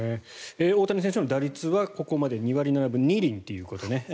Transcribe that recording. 大谷選手の打率はここまで２割７分２厘ということね。